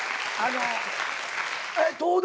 東大？